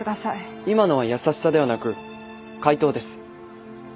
今のは優しさではなく回答です。